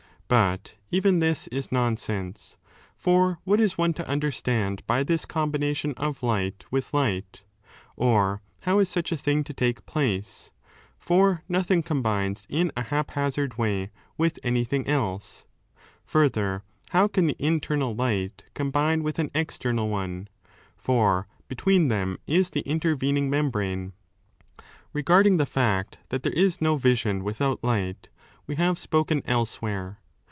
But even this is nonsense. For what is one to understand by this combination of light with light ? Or how is such a thing to take place ? For 438 d nothing combines in a haphazard way with anything else. 15 Further, how can the internal light combine with an external one, for between them is the intervening membrane. Begarding the fact that there is no vision without light, we have spoken elsewhere.